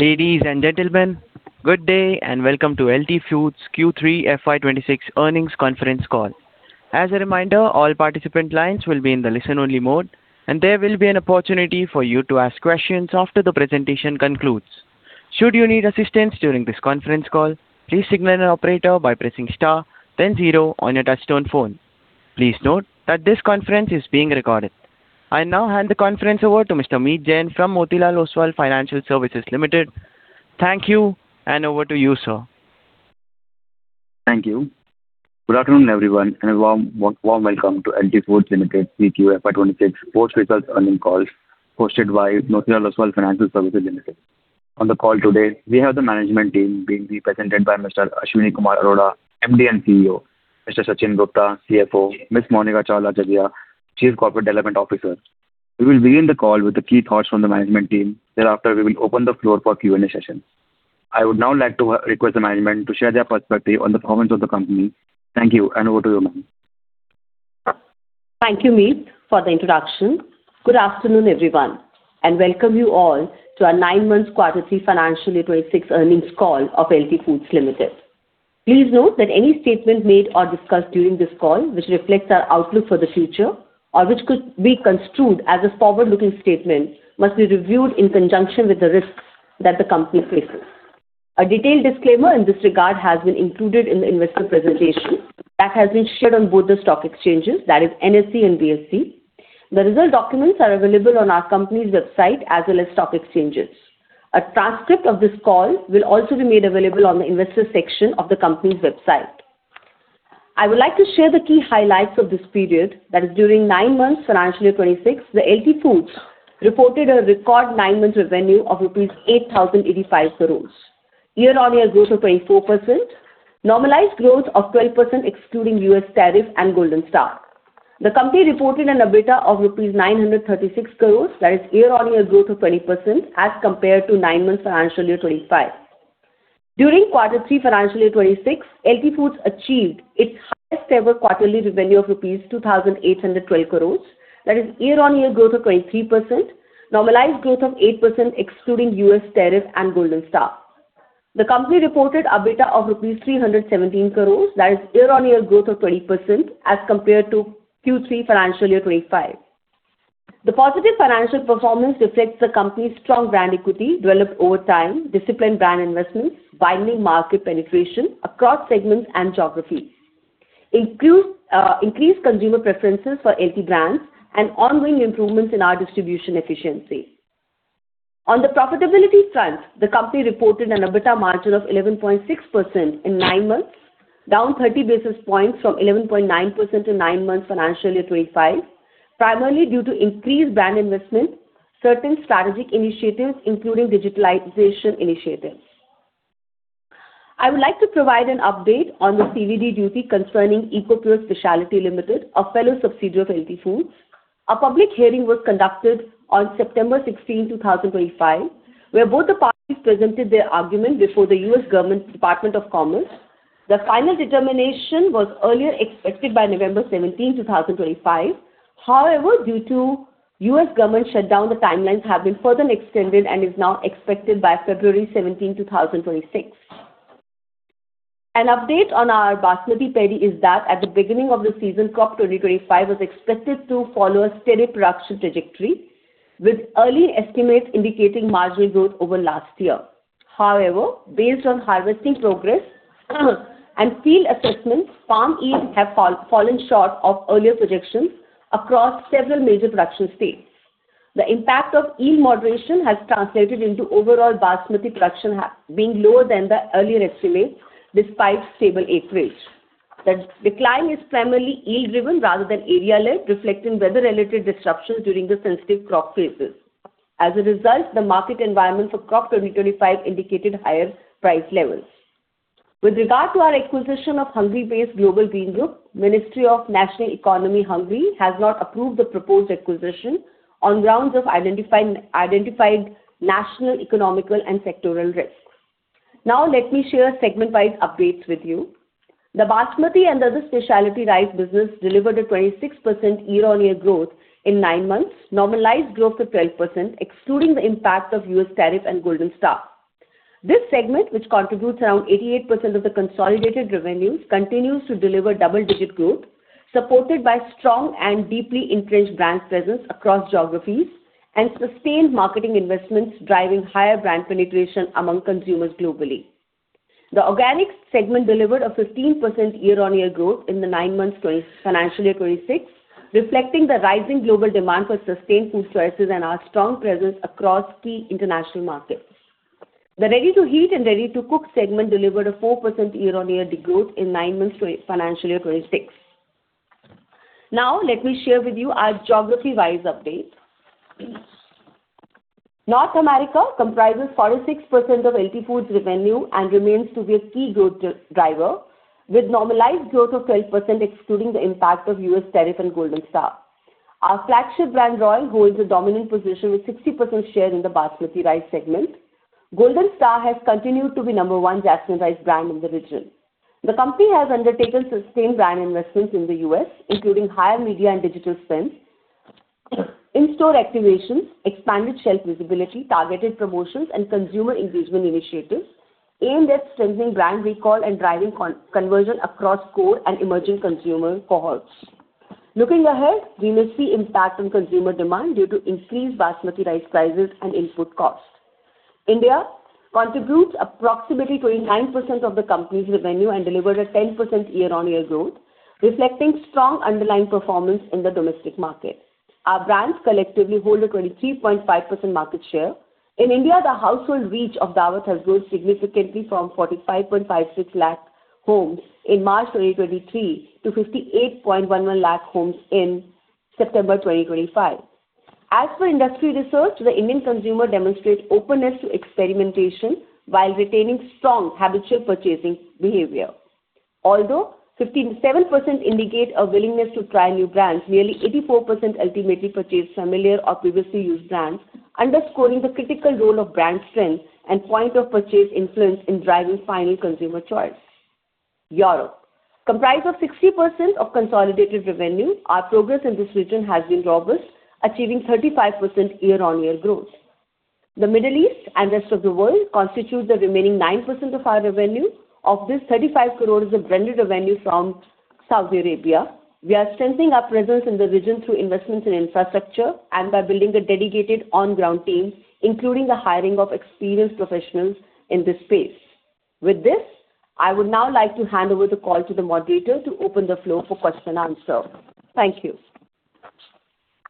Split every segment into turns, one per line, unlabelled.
Ladies and gentlemen, good day, and welcome to LT Foods Q3 FY26 earnings conference call. As a reminder, all participant lines will be in the listen-only mode, and there will be an opportunity for you to ask questions after the presentation concludes. Should you need assistance during this conference call, please signal an operator by pressing star then zero on your touchtone phone. Please note that this conference is being recorded. I now hand the conference over to Mr. Meet Jain from Motilal Oswal Financial Services Limited. Thank you, and over to you, sir.
Thank you. Good afternoon, everyone, and a warm welcome to LT Foods Limited Q3 FY26 post-results earnings call, hosted by Motilal Oswal Financial Services Limited. On the call today, we have the management team being represented by Mr. Ashwani Kumar Arora, MD and CEO; Mr. Sachin Gupta, CFO; Ms. Monika Chawla Jaggia, Chief Corporate Development Officer. We will begin the call with the key thoughts from the management team. Thereafter, we will open the floor for Q&A session. I would now like to request the management to share their perspective on the performance of the company. Thank you, and over to you, ma'am.
Thank you, Meet, for the introduction. Good afternoon, everyone, and welcome you all to our nine-month Quarter Three Financial year 2026 earnings call of LT Foods Limited. Please note that any statement made or discussed during this call, which reflects our outlook for the future, or which could be construed as a forward-looking statement, must be reviewed in conjunction with the risks that the company faces. A detailed disclaimer in this regard has been included in the investor presentation that has been shared on both the stock exchanges, that is NSE and BSE. The result documents are available on our company's website as well as stock exchanges. A transcript of this call will also be made available on the investor section of the company's website. I would like to share the key highlights of this period, that is, during nine months financial year 2026, LT Foods reported a record nine-month revenue of rupees 8,085 crores. Year-on-year growth of 24%, normalized growth of 12% excluding U.S. tariff and Golden Star. The company reported an EBITDA of 936 crores rupees, that is year-on-year growth of 20% as compared to nine months financial year 2025. During quarter 3 financial year 2026, LT Foods achieved its highest ever quarterly revenue of rupees 2,812 crores, that is year-on-year growth of 23%, normalized growth of 8% excluding U.S. tariff and Golden Star. The company reported EBITDA of INR 317 crores, that is year-on-year growth of 20% as compared to Q3 financial year 2025. The positive financial performance reflects the company's strong brand equity developed over time, disciplined brand investments, widening market penetration across segments and geographies. Including, increased consumer preferences for LT brands and ongoing improvements in our distribution efficiency. On the profitability front, the company reported an EBITDA margin of 11.6% in nine months, down 30 basis points from 11.9% in nine months Financial Year 2025, primarily due to increased brand investment, certain strategic initiatives, including digitalization initiatives. I would like to provide an update on the CVD duty concerning Ecopure Specialities Limited, a fellow subsidiary of LT Foods. A public hearing was conducted on September 16, 2025, where both the parties presented their argument before the U.S. Department of Commerce. The final determination was earlier expected by November 17, 2025. However, due to U.S. government shutdown, the timelines have been further extended and is now expected by February 17, 2026. An update on our basmati paddy is that at the beginning of the season, crop 2025 was expected to follow a steady production trajectory, with early estimates indicating marginal growth over last year. However, based on harvesting progress and field assessments, farm yields have fallen short of earlier projections across several major production states. The impact of yield moderation has translated into overall basmati production being lower than the earlier estimate, despite stable acreage. The decline is primarily yield-driven rather than area-led, reflecting weather-related disruptions during the sensitive crop phases. As a result, the market environment for crop 2025 indicated higher price levels. With regard to our acquisition of Hungary-based Global Green Group, Ministry of National Economy, Hungary, has not approved the proposed acquisition on grounds of identified national, economic, and sectoral risks. Now, let me share segment-wide updates with you. The basmati and other specialty rice business delivered a 26% year-on-year growth in nine months, normalized growth of 12%, excluding the impact of U.S. tariff and Golden Star. This segment, which contributes around 88% of the consolidated revenues, continues to deliver double-digit growth, supported by strong and deeply entrenched brand presence across geographies and sustained marketing investments, driving higher brand penetration among consumers globally. The organics segment delivered a 15% year-on-year growth in the nine months of Financial Year 2026, reflecting the rising global demand for sustainable food sources and our strong presence across key international markets. The ready-to-heat and ready-to-cook segment delivered a 4% year-on-year degrowth in nine months Financial Year 2026. Now, let me share with you our geography-wise update. North America comprises 46% of LT Foods' revenue and remains to be a key growth driver, with normalized growth of 12%, excluding the impact of U.S. tariff and Golden Star. Our flagship brand, Royal, holds a dominant position with 60% share in the basmati rice segment. Golden Star has continued to be number one jasmine rice brand in the region. The company has undertaken sustained brand investments in the U.S., including higher media and digital spends. In-store activations, expanded shelf visibility, targeted promotions, and consumer engagement initiatives aimed at strengthening brand recall and driving conversion across core and emerging consumer cohorts. Looking ahead, we may see impact on consumer demand due to increased basmati rice prices and input costs. India contributes approximately 29% of the company's revenue and delivered a 10% year-on-year growth, reflecting strong underlying performance in the domestic market. Our brands collectively hold a 23.5% market share. In India, the household reach of Daawat has grown significantly from 45.56 lakh homes in March 2023 to 58.11 lakh homes in September 2025. As per industry research, the Indian consumer demonstrates openness to experimentation while retaining strong habitual purchasing behavior. Although 57% indicate a willingness to try new brands, nearly 84% ultimately purchase familiar or previously used brands, underscoring the critical role of brand strength and point of purchase influence in driving final consumer choice. Europe, comprised of 60% of consolidated revenue, our progress in this region has been robust, achieving 35% year-on-year growth. The Middle East and rest of the world constitute the remaining 9% of our revenue. Of this, 35 crore is a blended revenue from Saudi Arabia. We are strengthening our presence in the region through investments in infrastructure and by building a dedicated on-ground team, including the hiring of experienced professionals in this space. With this, I would now like to hand over the call to the moderator to open the floor for question and answer. Thank you.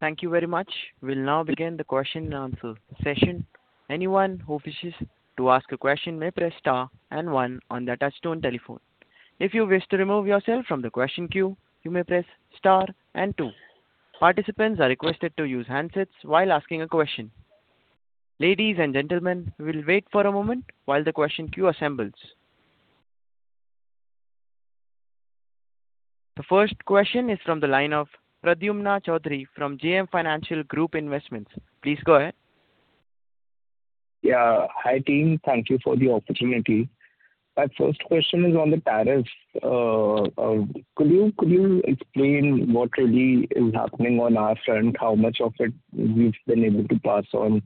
Thank you very much. We'll now begin the question and answer session. Anyone who wishes to ask a question may press star and one on their touchtone telephone. If you wish to remove yourself from the question queue, you may press star and two. Participants are requested to use handsets while asking a question. Ladies and gentlemen, we'll wait for a moment while the question queue assembles. The first question is from the line of Pradyumna Choudhary from JM Financial. Please go ahead.
Yeah. Hi, team. Thank you for the opportunity. My first question is on the tariffs. Could you explain what really is happening on our front, how much of it we've been able to pass on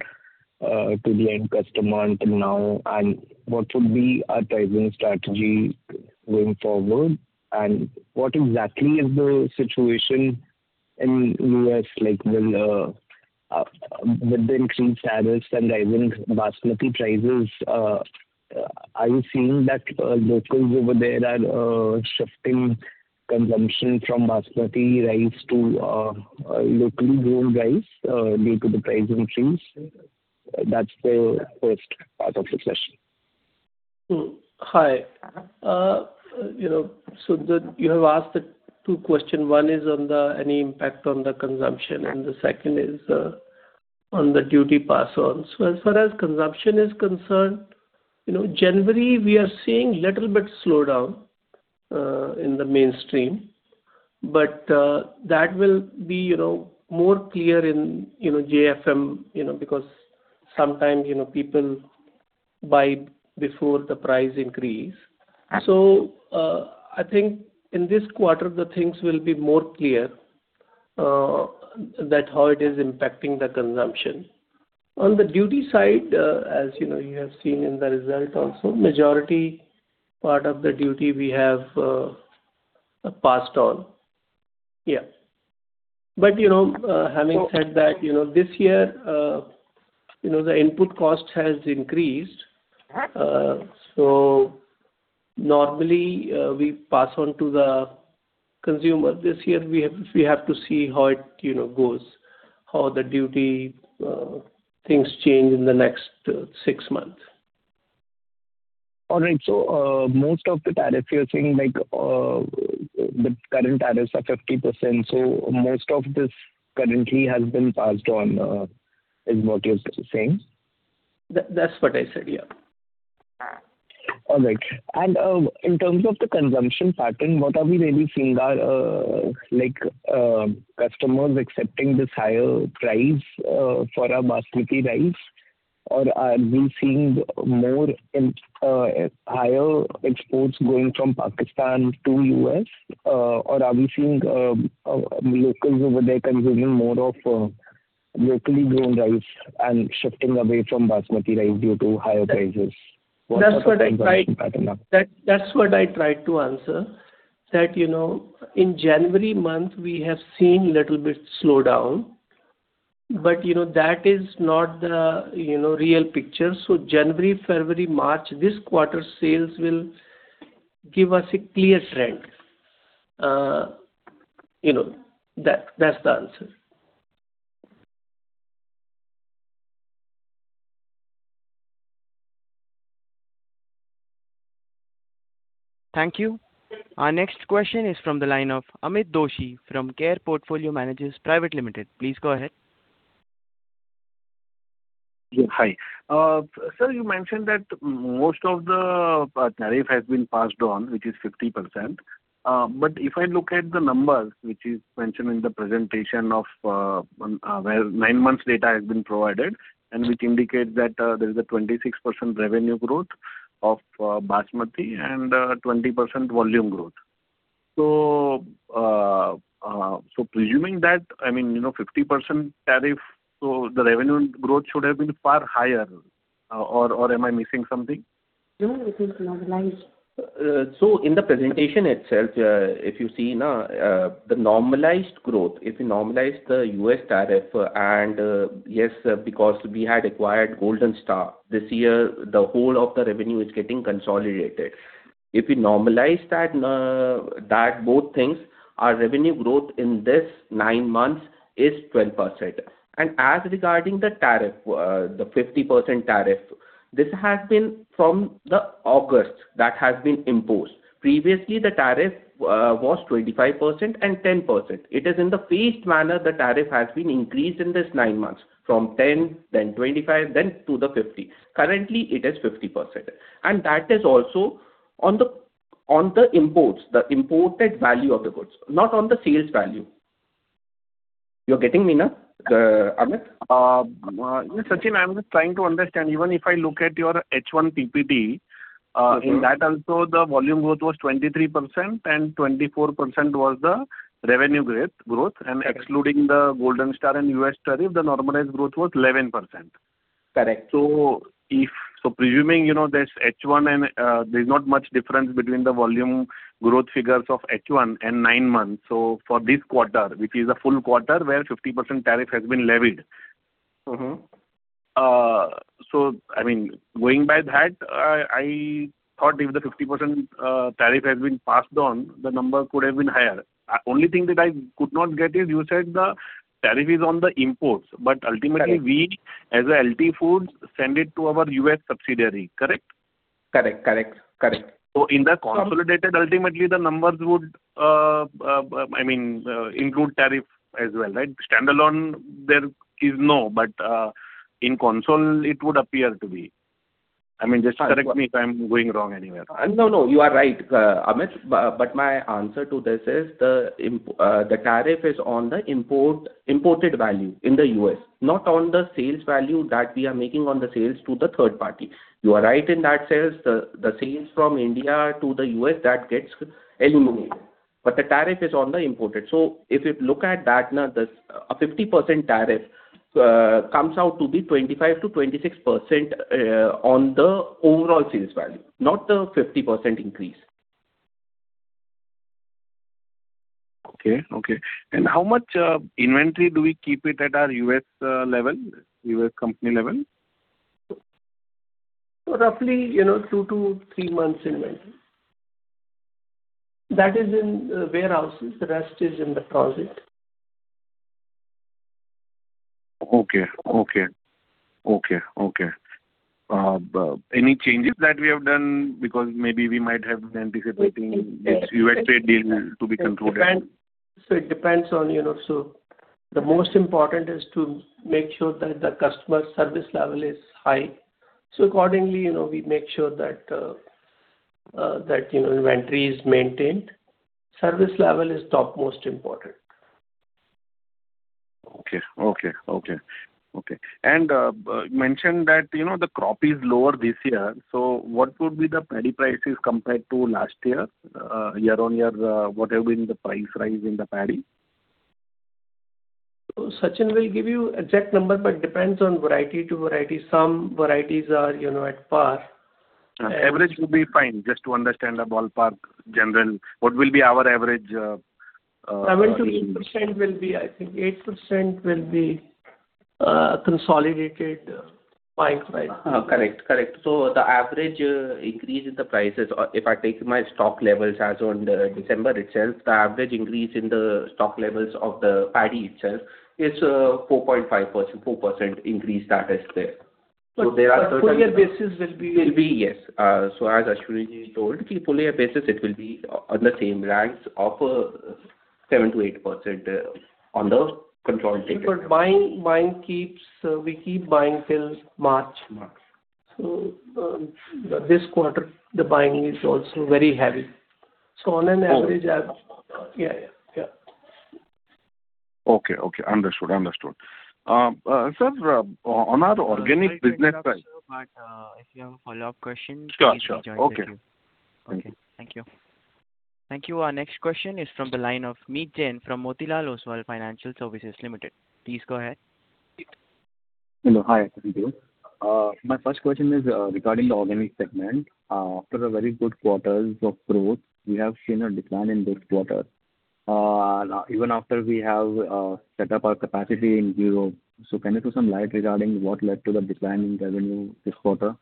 to the end customer until now? And what would be our pricing strategy going forward? And what exactly is the situation in U.S., like, with the increased tariffs and rising Basmati prices, are you seeing that locals over there are shifting consumption from Basmati rice to locally grown rice due to the price increase? That's the first part of the question.
Hi. You know, so you have asked two question. One is on the any impact on the consumption, and the second is on the duty pass on. So as far as consumption is concerned, you know, January, we are seeing little bit slowdown in the mainstream. But that will be, you know, more clear in, you know, JFM, you know, because sometimes, you know, people buy before the price increase.
Yeah.
So, I think in this quarter, the things will be more clear, that how it is impacting the consumption. On the duty side, as you know, you have seen in the result also, majority part of the duty we have, passed on. Yeah. But, you know,
So-
Having said that, you know, this year, you know, the input cost has increased.
Yeah.
Normally, we pass on to the consumer. This year, we have, we have to see how it, you know, goes, how the duty things change in the next six months.
All right. So, most of the tariff, you're saying, like, the current tariffs are 50%, so most of this currently has been passed on, is what you're saying?
That, that's what I said, yeah.
All right. In terms of the consumption pattern, what are we really seeing are, like, customers accepting this higher price for our basmati rice? Or are we seeing more higher exports going from Pakistan to U.S.? Or are we seeing locals over there consuming more of locally grown rice and shifting away from basmati rice due to higher prices?
That's what I tried-
Pattern.
That, that's what I tried to answer, that, you know, in January month, we have seen little bit slowdown, but, you know, that is not the, you know, real picture. So January, February, March, this quarter's sales will give us a clear trend. You know, that- that's the answer.
Thank you. Our next question is from the line of Amit Doshi from Care Portfolio Managers Private Limited. Please go ahead.
Hi. Sir, you mentioned that most of the tariff has been passed on, which is 50%. But if I look at the numbers, which is mentioned in the presentation where nine months data has been provided, and which indicates that there's a 26% revenue growth of Basmati and a 20% volume growth. So, presuming that, I mean, you know, 50% tariff, so the revenue growth should have been far higher. Or, am I missing something?
No, it is normalized.
So in the presentation itself, if you see now, the normalized growth, if you normalize the U.S. tariff, and yes, because we had acquired Golden Star this year, the whole of the revenue is getting consolidated. If you normalize that, that both things, our revenue growth in this nine months is 12%. And as regarding the tariff, the 50% tariff, this has been from the August that has been imposed. Previously, the tariff was 25% and 10%. It is in the phased manner the tariff has been increased in this nine months, from 10, then 25, then to the 50. Currently, it is 50%, and that is also on the, on the imports, the imported value of the goods, not on the sales value. You're getting me now, Amit?
Sachin, I'm just trying to understand. Even if I look at your H1 PPD,
Mm-hmm.
In that also the volume growth was 23%, and 24% was the revenue growth. Excluding the Golden Star and U.S. tariff, the normalized growth was 11%.
Correct.
So presuming, you know, this H1 and there's not much difference between the volume growth figures of H1 and nine months. So for this quarter, which is a full quarter where 50% tariff has been levied-
Mm-hmm.
So I mean, going by that, I thought if the 50% tariff has been passed on, the number could have been higher. Only thing that I could not get is you said the tariff is on the imports, but ultimately-
Correct.
We, as LT Foods, send it to our U.S. subsidiary, correct?
Correct. Correct. Correct.
So in the consolidated, ultimately, the numbers would, I mean, include tariff as well, right? Standalone, there is no, but, in consolidated, it would appear to be. I mean, just correct me if I'm going wrong anywhere.
No, no, you are right, Amit. But, but my answer to this is the tariff is on the import, imported value in the U.S., not on the sales value that we are making on the sales to the third party. You are right in that sense, the sales from India to the U.S., that gets eliminated, but the tariff is on the imported. So if you look at that, a 50% tariff comes out to be 25%-26% on the overall sales value, not the 50% increase.
Okay, okay. How much inventory do we keep at our U.S. level, U.S. company level?
Roughly, you know, two to three months inventory. That is in warehouses, the rest is in the transit.
Any changes that we have done? Because maybe we might have been anticipating this U.S. trade deal to be concluded.
Depends. So it depends on, you know... So the most important is to make sure that the customer service level is high. So accordingly, you know, we make sure that, you know, inventory is maintained. Service level is topmost important.
You mentioned that, you know, the crop is lower this year, so what would be the paddy prices compared to last year? Year-on-year, what have been the price rise in the paddy?
So Sachin will give you exact number, but it depends on variety to variety. Some varieties are, you know, at par.
Average will be fine, just to understand the ballpark, general, what will be our average.
7%-8% will be, I think, 8% will be, consolidated price rise.
Correct, correct. So the average increase in the prices, or if I take my stock levels as on December itself, the average increase in the stock levels of the paddy itself is 4.5%, 4% increase that is there. So there are-
Full year basis will be-
Will be, yes. So as Ashwani told, the full year basis, it will be on the same lines of 7%-8% on the controlled data.
But buying keeps, we keep buying till March.
March.
So, this quarter, the buying is also very heavy. So on an average,
Oh.
Yeah, yeah. Yeah.
Okay, okay. Understood. Understood. Sir, on our organic business side-...
But, if you have a follow-up question, please join again.
Sure, sure. Okay.
Okay. Thank you. Thank you. Our next question is from the line of Meet Jain from Motilal Oswal Financial Services Limited. Please go ahead.
Hello. Hi, good day. My first question is regarding the organic segment. After a very good quarters of growth, we have seen a decline in this quarter, even after we have set up our capacity in Europe. So can you throw some light regarding what led to the decline in revenue this quarter?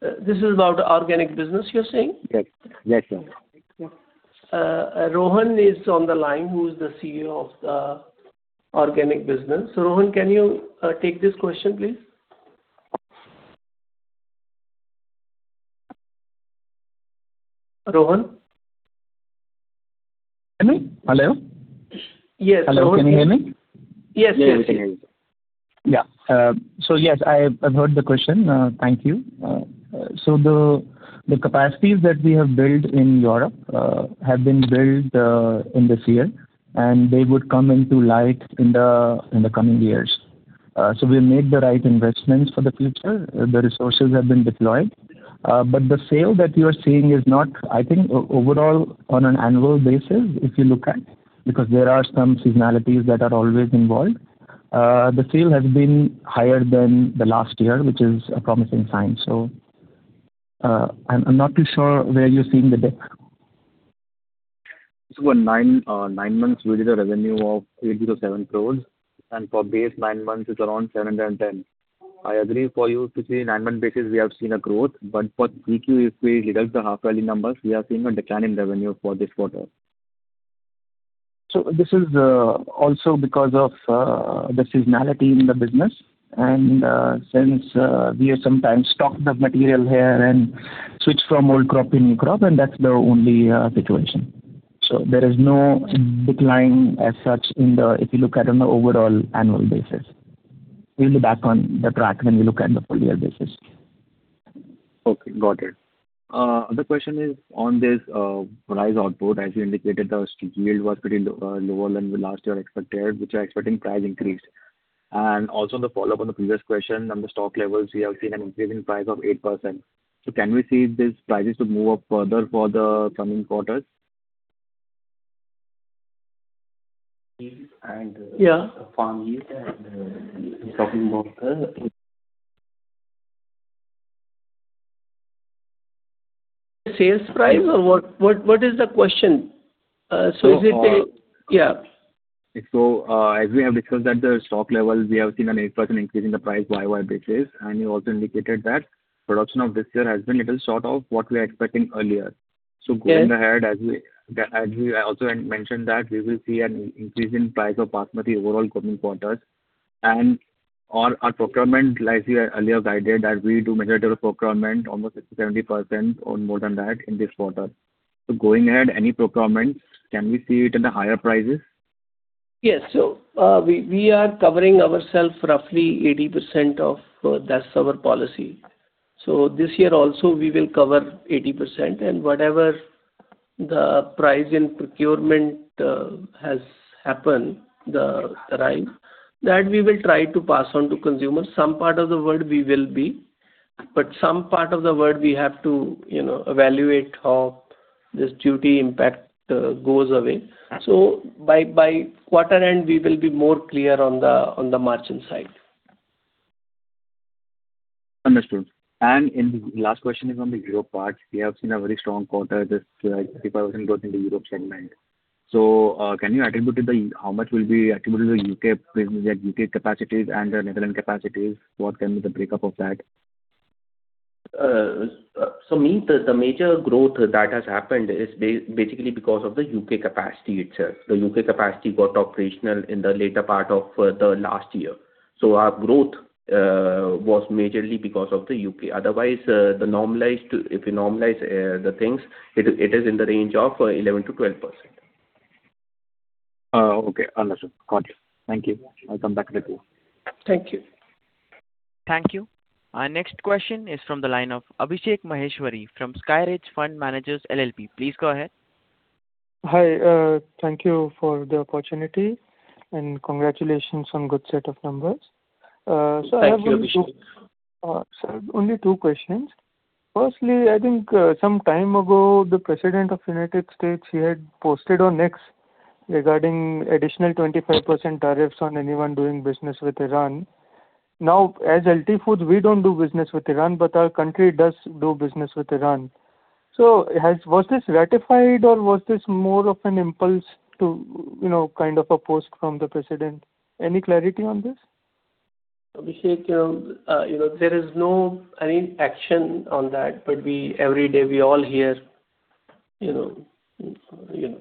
This is about organic business, you're saying?
Yes. Yes, sir.
Rohan is on the line, who is the CEO of the organic business. So, Rohan, can you take this question, please? Rohan?
Hello? Hello.
Yes, Rohan. Hello, can you hear me? Yes, yes.
Yes, we can hear you.
Yeah. So, yes, I've heard the question. Thank you. So the capacities that we have built in Europe have been built in this year, and they would come into light in the coming years.... so we'll make the right investments for the future. The resources have been deployed, but the sale that you are seeing is not, I think, overall, on an annual basis, if you look at, because there are some seasonalities that are always involved. The sale has been higher than the last year, which is a promising sign. So, I'm not too sure where you're seeing the dip. So in 9 months, we did a revenue of 807 crores, and for past 9 months, it's around 710 crores. I agree if you say 9-month basis, we have seen a growth, but for Q2, if we look at the half yearly numbers, we have seen a decline in revenue for this quarter. This is also because of the seasonality in the business. Since we have sometimes stocked the material here and switched from old crop to new crop, and that's the only situation. There is no decline as such in the, if you look at on an overall annual basis. We'll be back on the track when you look at the full year basis.
Okay, got it. The question is on this rice output, as you indicated, the yield was pretty lower than the last year expected, which you are expecting price increase. And also on the follow-up on the previous question, on the stock levels, we have seen an increase in price of 8%. So can we see these prices to move up further for the coming quarters?
Yeah.
And talking about the-
Sales price, or what is the question? So is it the-
So, uh-
Yeah.
As we have discussed at the stock level, we have seen an 8% increase in the price YoY basis, and you also indicated that production of this year has been a little short of what we are expecting earlier.
Yes.
Going ahead, as we also mentioned that we will see an increase in price of Basmati overall coming quarters, and/or our procurement, like we earlier guided, that we do major paddy procurement, almost 60%-70% or more than that in this quarter. So going ahead, any procurements, can we see it in the higher prices?
Yes. So, we are covering ourselves roughly 80% of... that's our policy. So this year also, we will cover 80%, and whatever the price in procurement has happened, the rise, that we will try to pass on to consumers. Some part of the world we will be, but some part of the world, we have to, you know, evaluate how this duty impact goes away. So by quarter end, we will be more clear on the margin side.
Understood. The last question is on the Europe part. We have seen a very strong quarter, this 50% growth in the Europe segment. So, can you attribute it? How much will be attributed to the U.K. business, and U.K. capacities and the Netherlands capacities? What can be the breakup of that?
So it means the major growth that has happened is basically because of the U.K. capacity itself. The U.K. capacity got operational in the later part of the last year. So our growth was majorly because of the U.K.. Otherwise, if you normalize the things, it is in the range of 11%-12%.
Oh, okay. Understood. Got it. Thank you. I'll come back to the queue.
Thank you.
Thank you. Our next question is from the line of Abhishek Maheshwari from SkyRidge Fund Managers LLP. Please go ahead.
Hi, thank you for the opportunity, and congratulations on good set of numbers. So I have two-
Thank you, Abhishek.
Sir, only two questions. Firstly, I think some time ago, the President of United States, he had posted on X regarding additional 25% tariffs on anyone doing business with Iran. Now, as LT Foods, we don't do business with Iran, but our country does do business with Iran. So was this ratified or was this more of an impulse to, you know, kind of a post from the president? Any clarity on this?
Abhishek, you know, there is no any action on that, but we every day we all hear, you know, you know,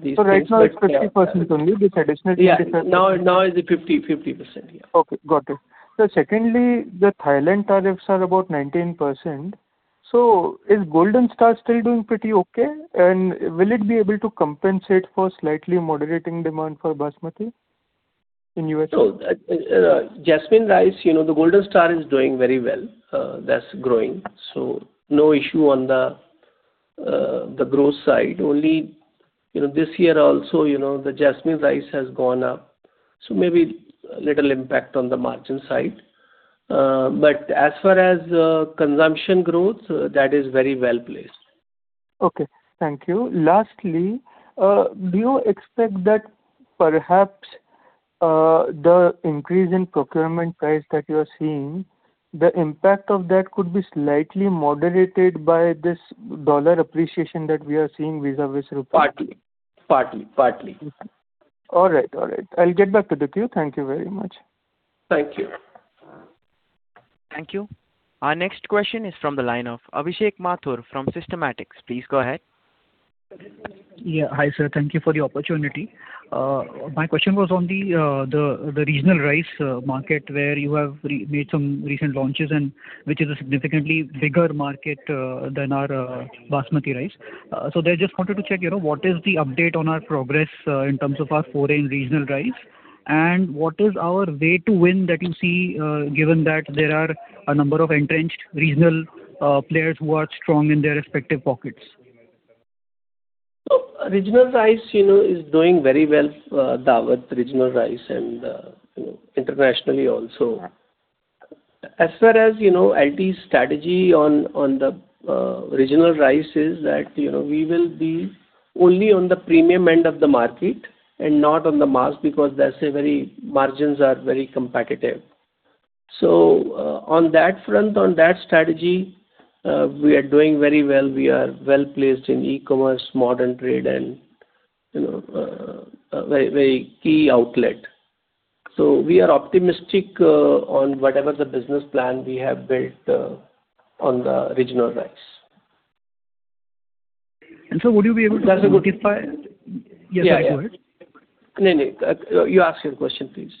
these things-
So right now it's 50% only, this additional 20%?
Yeah. Now, now is the 50/50%. Yeah.
Okay. Got it. So secondly, the Thailand tariffs are about 19%. So is Golden Star still doing pretty okay? And will it be able to compensate for slightly moderating demand for Basmati in U.S.?
So, jasmine rice, you know, the Golden Star is doing very well. That's growing, so no issue on the growth side. Only, you know, this year also, you know, the jasmine rice has gone up, so maybe a little impact on the margin side. But as far as consumption growth, that is very well placed.
Okay. Thank you. Lastly, do you expect that perhaps, the increase in procurement price that you are seeing, the impact of that could be slightly moderated by this dollar appreciation that we are seeing vis-à-vis rupee?
Partly. Partly, partly.
All right. All right. I'll get back to the queue. Thank you very much.
Thank you.
Thank you. Our next question is from the line of Abhishek Mathur from Systematix. Please go ahead.
Yeah. Hi, sir. Thank you for the opportunity. My question was on the regional rice market, where you have made some recent launches and which is a significantly bigger market than our basmati rice. So I just wanted to check, you know, what is the update on our progress in terms of our foreign regional rice? And what is our way to win that you see, given that there are a number of entrenched regional players who are strong in their respective pockets? ...
regional rice, you know, is doing very well, the Daawat regional rice and, you know, internationally also. As far as our strategy on the regional rice is that, you know, we will be only on the premium end of the market and not on the mass, because that's a very-- margins are very competitive. So, on that front, on that strategy, we are doing very well. We are well-placed in e-commerce, modern trade, and, you know, very, very key outlet. So we are optimistic, on whatever the business plan we have built, on the regional rice.
Would you be able to quantify-
Yeah, yeah.
Yes, go ahead.
No, no. You ask your question, please.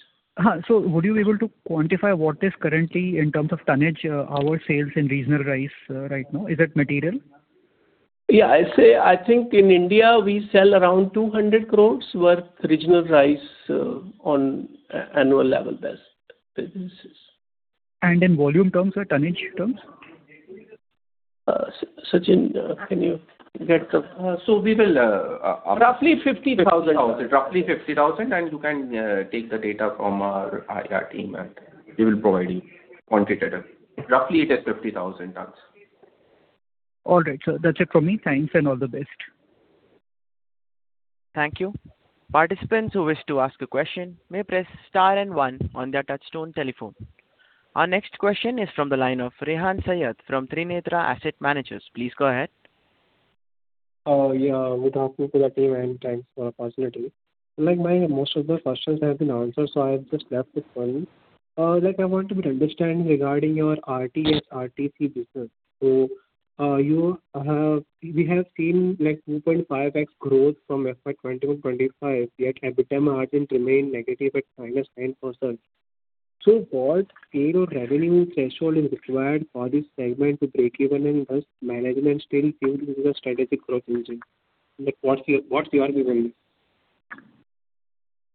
So would you be able to quantify what is currently in terms of tonnage, our sales in regional rice, right now? Is it material?
Yeah, I say I think in India we sell around 200 crore worth regional rice on an annual level basis.
In volume terms or tonnage terms?
Sachin, can you get the...?
We will
Roughly 50,000.
Roughly 50,000, and you can take the data from our IR team, and they will provide you quantitative. Roughly, it is 50,000 tons.
All right, sir. That's it from me. Thanks and all the best.
Thank you. Participants who wish to ask a question may press star and one on their touchtone telephone. Our next question is from the line of Rehan Syed from Trinetra Asset Managers. Please go ahead.
Yeah, good afternoon, everyone, and thanks for the opportunity. Like, most of my questions have been answered, so I have just left with one. Like, I want to better understand regarding your RTH, RTC business. So, we have seen, like, 2.5x growth from FY 2024-25, yet EBITDA margin remained negative at -10%. So what scale of revenue threshold is required for this segment to break even, and does management still feel this is a strategic growth engine? Like, what's your, what's your view on this?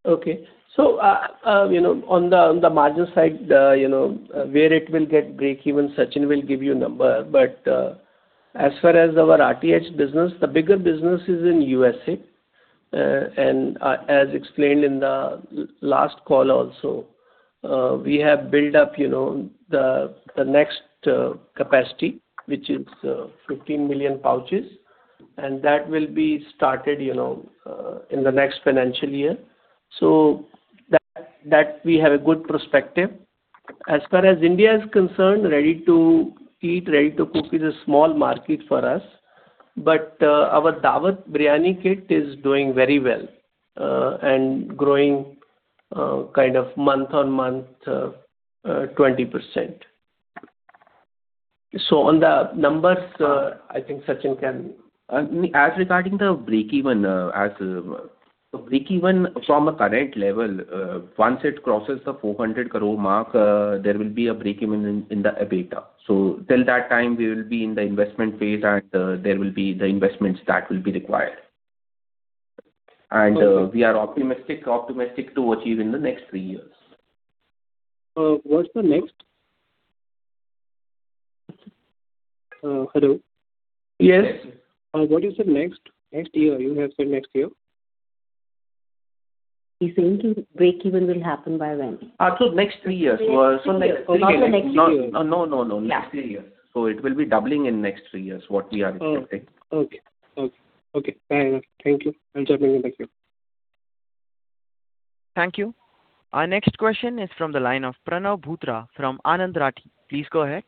Okay. So, you know, on the margin side, you know, where it will get break even, Sachin will give you a number. But, as far as our RTH business, the bigger business is in U.S.A. And as explained in the last call also, we have built up, you know, the next capacity, which is 15 million pouches, and that will be started, you know, in the next financial year. So that we have a good perspective. As far as India is concerned, ready to eat, ready to cook is a small market for us. But, our Daawat Biryani Kit is doing very well, and growing kind of month-on-month 20%. So on the numbers, I think Sachin can-
As regarding the break even, break even from a current level, once it crosses the 400 crore mark, there will be a break even in the EBITDA. So till that time, we will be in the investment phase, and there will be the investments that will be required.
Okay.
We are optimistic, optimistic to achieve in the next three years.
What's the next? Hello?
Yes.
What you said next? Next year, you have said next year.
He's saying the breakeven will happen by when?
So next three years. So next-
Not the next year.
No, no, no, next three years. So it will be doubling in next three years, what we are expecting.
Oh, okay. Okay. Okay, bye. Thank you. Thank you.
Thank you. Our next question is from the line of Pranav Bhootra from Anand Rathi. Please go ahead.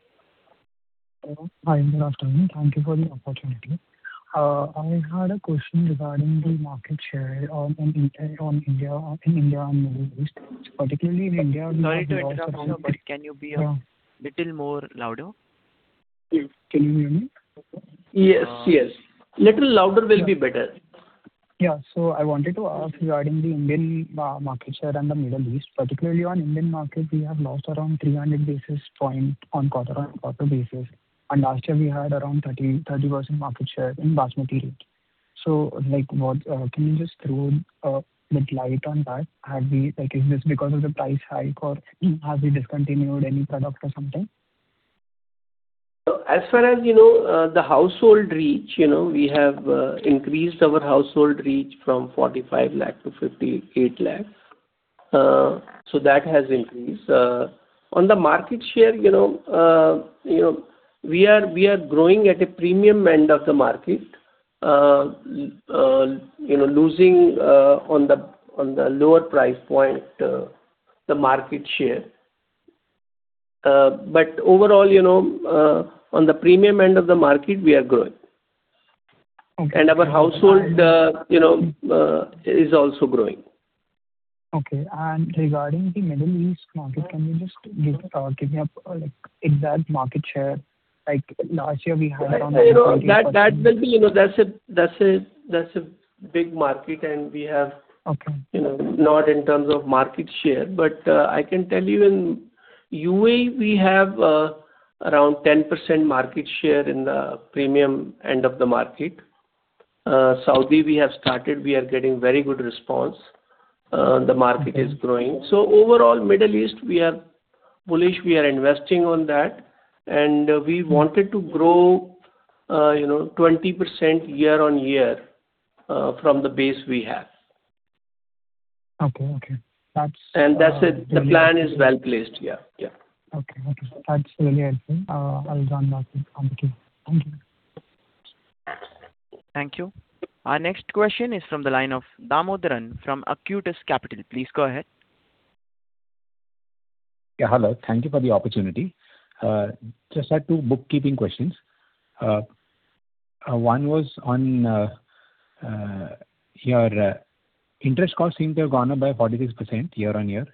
Hi, good afternoon. Thank you for the opportunity. I had a question regarding the market share in India and Middle East, particularly in India-
Sorry to interrupt, Pranav, but can you be?
Yeah.
little more louder?
Yes. Can you hear me?
Yes, yes. Little louder will be better.
Yeah. So I wanted to ask regarding the Indian market share and the Middle East, particularly on Indian market, we have lost around 300 basis point on quarter-on-quarter basis, and last year we had around 30, 30% market share in Basmati rice. So, like, what... Can you just throw little light on that? Have we—like, is this because of the price hike or have we discontinued any product or something?
So as far as you know, the household reach, you know, we have increased our household reach from 45 lakh to 58 lakh, so that has increased. On the market share, you know, you know, we are, we are growing at a premium end of the market, you know, losing on the, on the lower price point, the market share. But overall, you know, on the premium end of the market, we are growing.
Okay.
Our household, you know, is also growing. Okay. And regarding the Middle East market, can you just give a target or like exact market share, like last year we had around- You know, that will be, you know, that's a big market and we have-
Okay.
You know, not in terms of market share, but I can tell you in UAE, we have around 10% market share in the premium end of the market. Saudi, we have started, we are getting very good response. The market is growing. So overall, Middle East, we are bullish, we are investing on that, and we wanted to grow, you know, 20% year-on-year from the base we have.
Okay, okay. That's-
That's it. The plan is well placed. Yeah, yeah.
Okay, okay. That's really helpful. I'll run that. Okay. Thank you.
Thank you. Our next question is from the line of Damodaran from Acutus Capital. Please go ahead.
Yeah, hello. Thank you for the opportunity. Just had two bookkeeping questions. One was on your interest costs seem to have gone up by 46% year-on-year.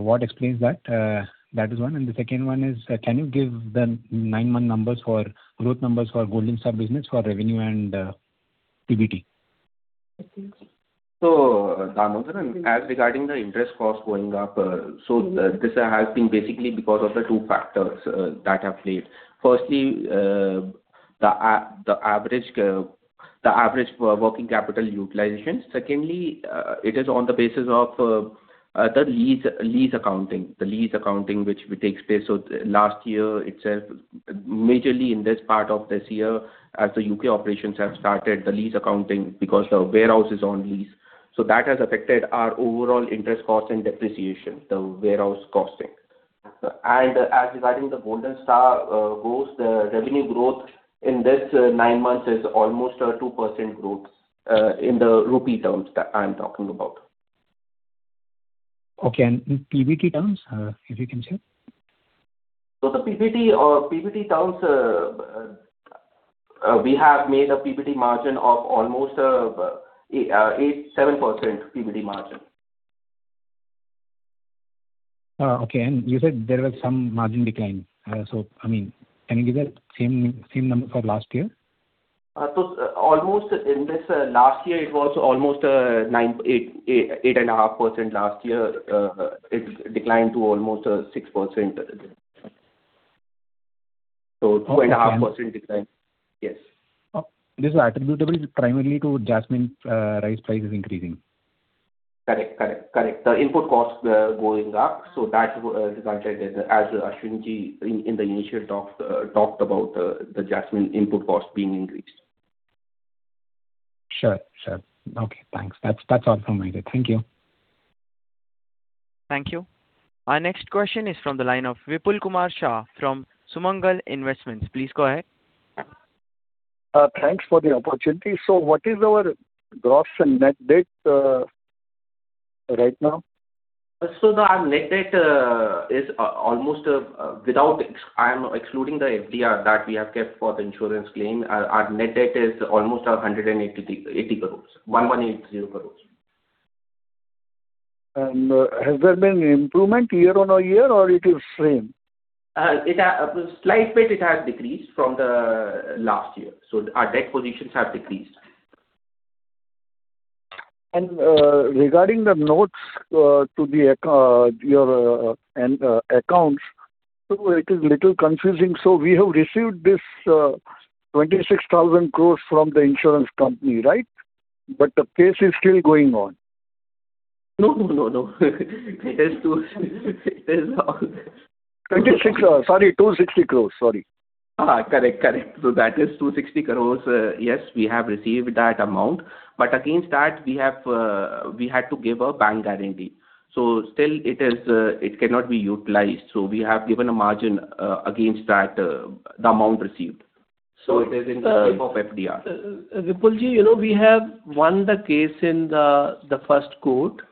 What explains that? That is one. And the second one is, can you give the nine-month numbers for growth numbers for Golden Star business for revenue and PBT?
So, Damodaran, as regarding the interest cost going up, so this has been basically because of the two factors that have played. Firstly, the average working capital utilization. Secondly, it is on the basis of the lease accounting. The lease accounting, which takes place. So last year itself, majorly in this part of this year, as the U.K. operations have started, the lease accounting, because the warehouse is on lease. So that has affected our overall interest cost and depreciation, the warehouse costing. And as regarding the Golden Star growth, the revenue growth in this nine months is almost a 2% growth, in the rupee terms that I'm talking about.
Okay. In PBT terms, if you can share?
The PBT, PBT terms, we have made a PBT margin of almost 8.87% PBT margin.
Okay, and you said there was some margin decline. So, I mean, can you give the same, same number for last year?
So, almost in this last year, it was almost 8.5% last year. It declined to almost 6%. So 2.5% decline. Yes.
This is attributable primarily to Jasmine rice price is increasing?
Correct, correct, correct. The input costs were going up, so that resulted as Ashwani-ji in the initial talk talked about the Jasmine input cost being increased.
Sure, sure. Okay, thanks. That's, that's all from my end. Thank you.
Thank you. Our next question is from the line of Vipul Kumar Shah from Sumangal Investments. Please go ahead.
Thanks for the opportunity. So what is our gross and net debt, right now?
So our net debt is almost, I'm excluding the FDR that we have kept for the insurance claim. Our net debt is almost 180 crores, 1,180 crores.
Has there been improvement year on a year, or it is same?
It has decreased a slight bit from the last year, so our debt positions have decreased.
Regarding the notes to the accounts, it is a little confusing. We have received this 26,000 crore from the insurance company, right? But the case is still going on.
No, no, no. It is too...
26, sorry, 260 crores, sorry.
Correct, correct. So that is 260 crores. Yes, we have received that amount, but against that, we have, we had to give a bank guarantee. So still it is, it cannot be utilized. So we have given a margin, against that, the amount received. So it is in the shape of FDR.
Vipulji, you know, we have won the case in the first court.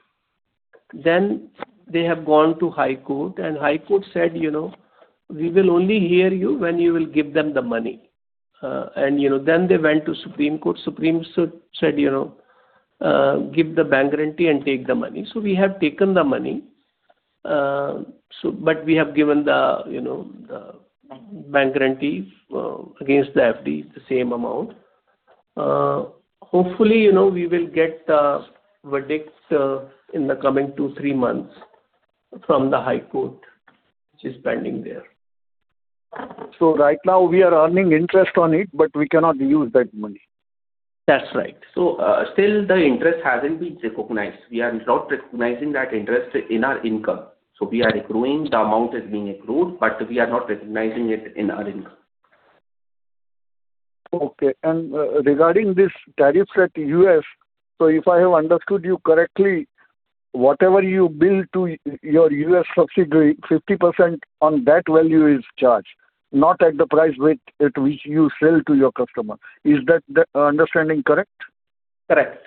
Then they have gone to High Court, and High Court said, "You know, we will only hear you when you will give them the money." And, you know, then they went to Supreme Court. Supreme said, you know, "Give the bank guarantee and take the money." So we have taken the money. So but we have given the, you know, the bank guarantee against the FD, the same amount. Hopefully, you know, we will get the verdicts in the coming 2-3 months from the High Court, which is pending there.
So right now we are earning interest on it, but we cannot use that money?
That's right. So, still the interest hasn't been recognized. We are not recognizing that interest in our income. So we are accruing, the amount is being accrued, but we are not recognizing it in our income.
Okay. Regarding these tariffs in the U.S., so if I have understood you correctly, whatever you bill to your U.S. subsidiary, 50% on that value is charged, not at the price at which you sell to your customer. Is that the understanding correct?
Correct.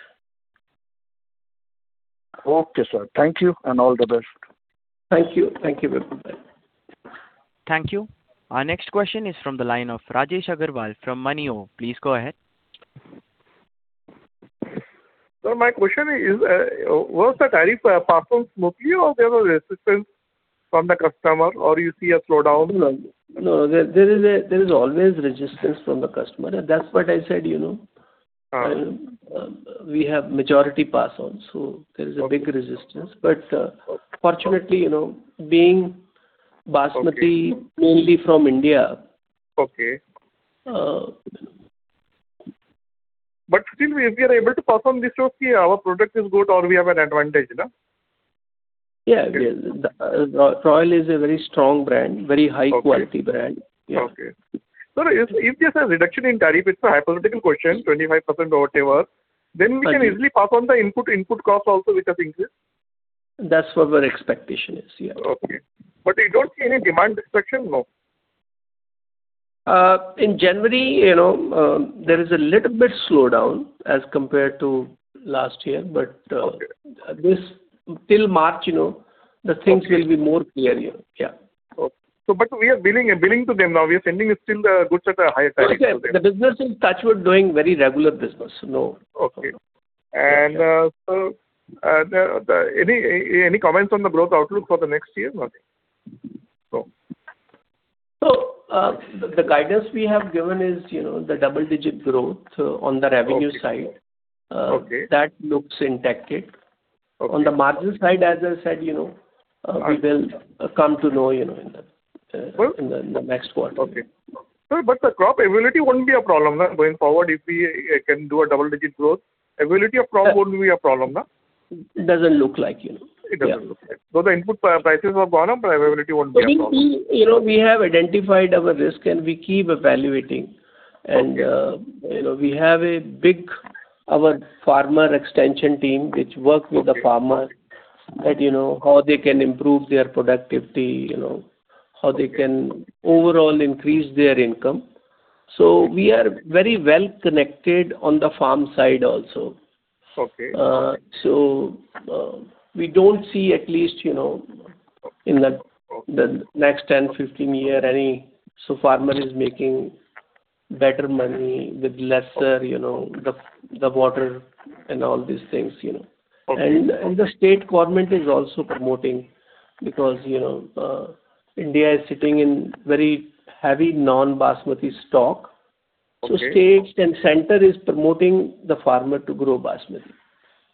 Okay, sir. Thank you, and all the best.
Thank you. Thank you, Vipulji.
Thank you. Our next question is from the line of Rajesh Agarwal from Moneyore. Please go ahead.
Sir, my question is, was the tariff passed on smoothly, or there was resistance from the customer, or you see a slowdown?
No, there is always resistance from the customer, and that's what I said, you know.
Uh.
We have majority pass on, so there is a big resistance. But fortunately, you know, being basmati-
Okay.
mainly from India
Okay.
Uh......
But still, we are able to pass on this to our product is good or we have an advantage, no?
Yeah, yeah. The Royal is a very strong brand, very high quality brand.
Okay. Okay. Sir, if there's a reduction in tariff, it's a hypothetical question, 25% or whatever, then we can easily pass on the input cost also, which has increased.
That's what our expectation is, yeah.
Okay. But you don't see any demand reduction, no?
In January, you know, there is a little bit slowdown as compared to last year, but,
Okay.
This till March, you know, the things will be more clear, yeah. But we are billing to them now. We are still sending the goods at a higher tariff to them. The business in touch, we're doing very regular business, so no.
Okay. So, any comments on the growth outlook for the next year or not? So...
The guidance we have given is, you know, the double-digit growth on the revenue side.
Okay.
That looks intact.
Okay.
On the margin side, as I said, you know, we will come to know, you know, in the next quarter.
Okay. So but the crop availability won't be a problem, going forward, if we can do a double-digit growth. Availability of crop won't be a problem, no?
It doesn't look like, you know.
It doesn't look like.
Yeah.
Though the input prices have gone up, but availability won't be a problem.
You know, we have identified our risk and we keep evaluating.
Okay.
You know, we have a big, our farmer extension team, which work with the farmers-
Okay.
that, you know, how they can improve their productivity, you know.
Okay...
how they can overall increase their income. So we are very well connected on the farm side also.
Okay.
So, we don't see at least, you know, in the-
Okay
The next 10, 15 year. So farmer is making better money with lesser, you know, the water and all these things, you know.
Okay.
The state government is also promoting because, you know, India is sitting in very heavy non-basmati stock.
Okay.
State and central is promoting the farmer to grow Basmati.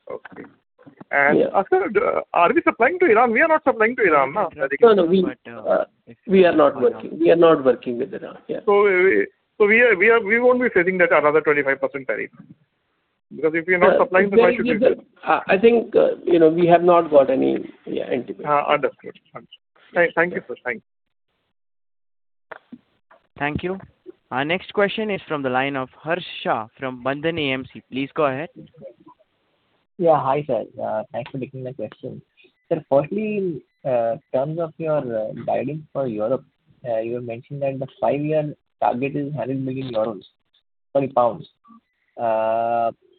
Okay.
Yeah.
Sir, are we supplying to Iran? We are not supplying to Iran, no?
No, no, we, we are not working. We are not working with Iran. Yeah.
So we won't be facing that another 25% tariff? Because if we are not supplying the...
I think, you know, we have not got any, yeah, indication.
Understood. Understood. Thank you, sir. Thank you.
Thank you. Our next question is from the line of Harsh Shah from Bandhan AMC. Please go ahead.
Yeah. Hi, sir. Thanks for taking my question. Sir, firstly, in terms of your guidance for Europe, you were mentioning that the five-year target is GBP 100 million.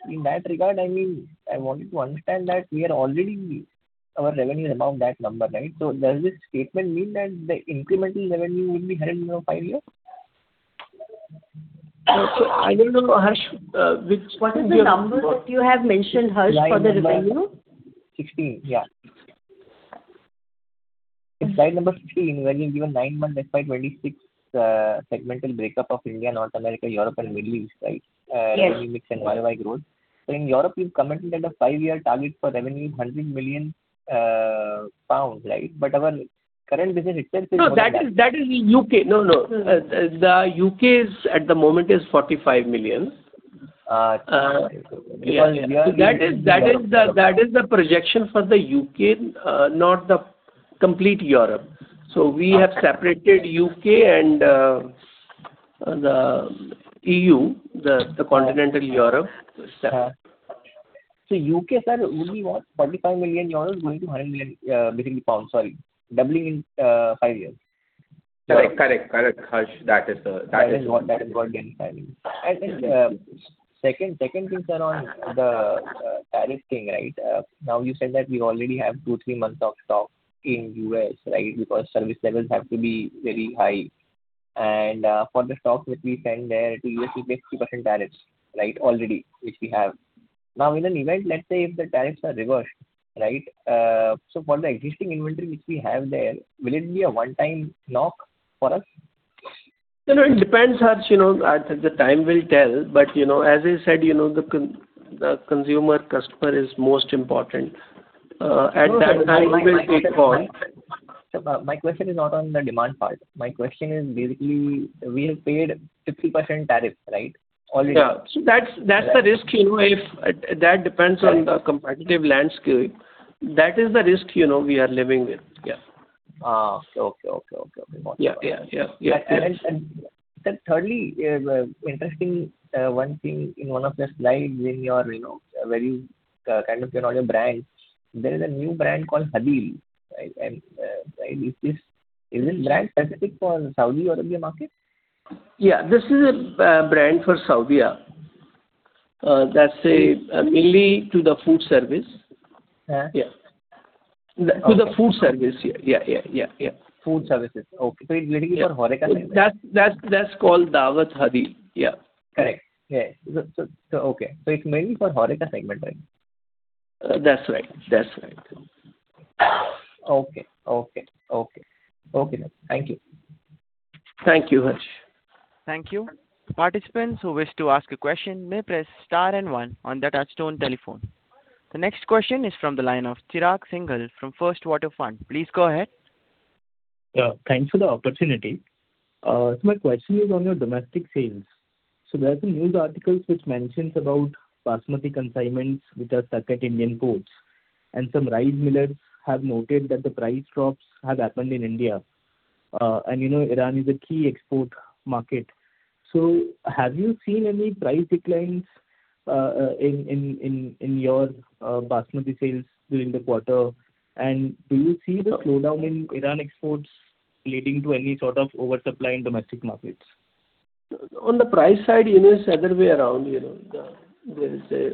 In that regard, I mean, I wanted to understand that we are already, our revenue is above that number, right? So does this statement mean that the incremental revenue will be 100 million in five years?
So I don't know, Harsh, which one-
What is the number that you have mentioned, Harsh, for the revenue?
16, yeah. In slide number 16, where you've given 9-month FY 2026 segmental breakup of India, North America, Europe, and Middle East, right?
Yes.
Revenue mix and YoY growth. So in Europe, you've commented that the five-year target for revenue is 100 million pounds, right? But our current business itself is-
No, that is, that is U.K. no, no.
Uh...
The U.K. is at the moment, 45 million.
Ah.
Uh, yeah.
Because India is-
That is the projection for the U.K., not the complete Europe. So we have separated U.K. and the E.U., the continental Europe.
So, U.K., sir, only what? E.U.R 45 million, going to 100 million, billion GBP, sorry, doubling in five years.
Correct, correct, Harsh. That is the, that is-
That is what, that is what then five years. Second, second thing, sir, on the tariff thing, right? Now, you said that we already have two to three months of stock in U.S., right? Because service levels have to be very high. For the stock which we send there to U.S., we pay 3% tariffs, right? Already, which we have. Now, in an event, let's say, if the tariffs are reversed, right, so for the existing inventory which we have there, will it be a one-time knock for us?
You know, it depends, Harsh. You know, the time will tell. But, you know, as I said, you know, the consumer customer is most important. At that time, we will take call.
Sir, my question is not on the demand part. My question is basically, we have paid 30% tariff, right? Already.
Yeah. So that's, that's the risk, you know, if... that depends on the competitive landscape. That is the risk, you know, we are living with. Yeah.
Ah, okay, okay, okay, okay.
Yeah, yeah, yeah. Yeah.
Sir, thirdly, interesting one thing in one of the slides, in your, you know, very kind of, you know, your brands, there is a new brand called Hadeel, right? And, right, is this- is this brand specific for Saudi Arabia market?
Yeah, this is a brand for Saudi, yeah. That's mainly to the food service.
Yeah?
Yeah.
Okay.
To the food service, yeah, yeah, yeah, yeah, yeah.
Food services, okay.
Yeah.
It's mainly for HoReCa segment.
That's called Daawat Hadeel. Yeah.
Correct. Yeah. So, so, okay. So it's mainly for HoReCa segment, right?
That's right, that's right.
Okay, okay, okay. Okay, thank you.
Thank you, Harsh.
Thank you. Participants who wish to ask a question may press star and one on their touchtone telephone. The next question is from the line of Chirag Singhal from First Water Capital. Please go ahead....
Yeah, thanks for the opportunity. So my question is on your domestic sales. So there are some news articles which mentions about Basmati consignments which are stuck at Indian ports, and some rice millers have noted that the price drops have happened in India. And you know, Iran is a key export market. So have you seen any price declines in your Basmati sales during the quarter? And do you see the slowdown in Iran exports leading to any sort of oversupply in domestic markets?
On the price side, it is the other way around, you know. There is a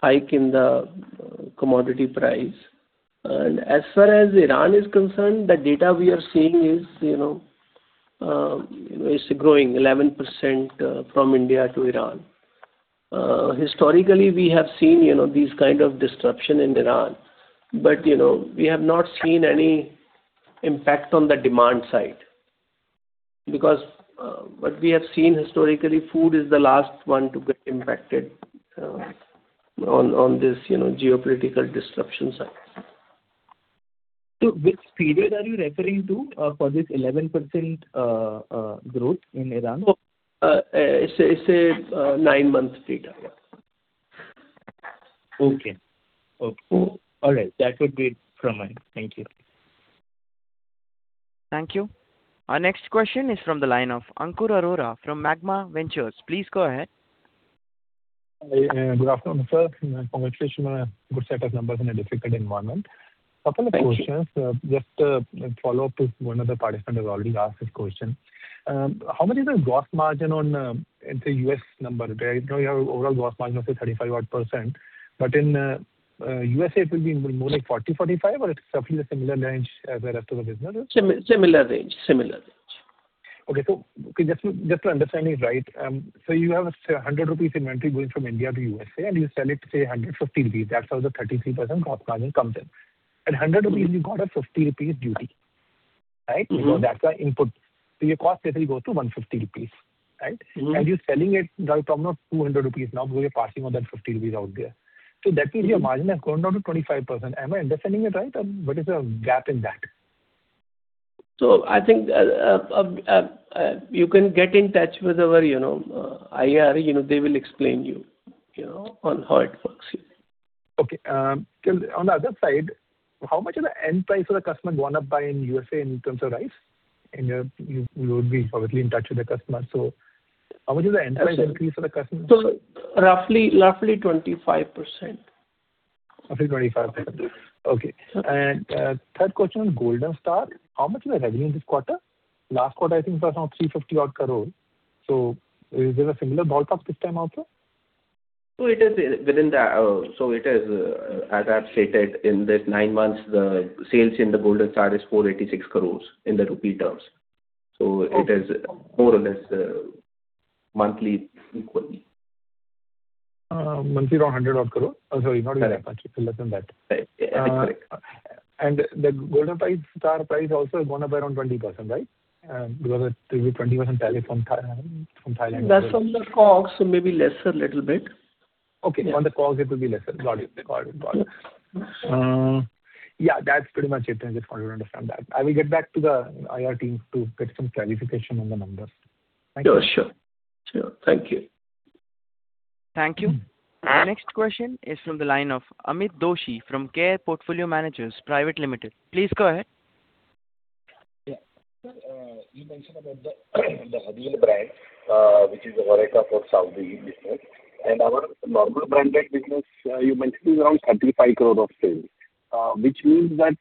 hike in the commodity price. As far as Iran is concerned, the data we are seeing is, you know, it's growing 11%, from India to Iran. Historically, we have seen, you know, these kind of disruption in Iran, but, you know, we have not seen any impact on the demand side. Because, what we have seen historically, food is the last one to get impacted, on this, you know, geopolitical disruption side.
Which period are you referring to for this 11% growth in Iran?
It's a nine-month data.
Okay. All right. That would be it from me. Thank you.
Thank you. Our next question is from the line of Ankur Arora from Magma Ventures. Please go ahead.
Hi, and good afternoon, sir. Congratulations on a good set of numbers in a difficult environment.
Thank you.
A couple of questions. Just, a follow-up to one of the participant who has already asked this question. How many is the gross margin on, let's say, U.S. number? I know you have overall gross margin of say 35 odd %, but in, U.S.A. it will be more like 40%-45%, or it's roughly a similar range as rest of the business?
Similar range. Similar range.
Okay, so okay, just to understand it right, so you have 100 rupees inventory going from India to U.S.A, and you sell it, say, 150 rupees. That's how the 33% gross margin comes in. 100 rupees you got a 50 rupees duty, right?
Mm-hmm.
So that's our input. So your cost basically goes to 150 rupees, right?
Mm-hmm.
You're selling it from now 200 rupees now, because you're passing on that 50 rupees out there.
Mm-hmm.
That means your margin has gone down to 25%. Am I understanding it right, or what is the gap in that?
I think you can get in touch with our, you know, IR. You know, they will explain you, you know, on how it works.
Okay. On the other side, how much is the end price for the customer gone up by in U.S.A in terms of rice? And you would be probably in touch with the customer. So how much is the end price increase for the customer?
Roughly, roughly 25%.
Roughly 25%.
Yes.
Okay.
Sure.
Third question on Golden Star. How much was the revenue this quarter? Last quarter, I think, was around 350 odd crore. So is there a similar bulk up this time also?
So it is, as I've stated, in this nine months, the sales in the Golden Star is 486 crore in rupee terms.
Okay.
It is more or less, monthly, equally.
Monthly around INR 100-odd crore. I'm sorry, not even, actually it's less than that.
Uh, correct.
The Golden Star price also has gone up by around 20%, right? Because it was 20% tariff from Thailand.
That's from the COG, so maybe lesser little bit.
Okay.
Yeah.
On the COG it will be lesser. Got it. Got it. Got it.
Mm-hmm.
Yeah, that's pretty much it. I just wanted to understand that. I will get back to the IR team to get some clarification on the numbers. Thank you.
Sure. Sure. Sure. Thank you.
Thank you. Our next question is from the line of Amit Doshi from Care Portfolio Managers Private Limited. Please go ahead.
Yeah. You mentioned about the Hadil brand, which is the HoReCa for Saudi business. And our normal branded business, you mentioned is around 35 crore of sales, which means that,